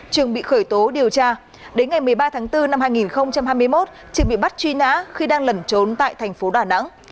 trường bị khởi tố điều tra đến ngày một mươi ba tháng bốn năm hai nghìn hai mươi một trường bị bắt truy nã khi đang lẩn trốn tại thành phố đà nẵng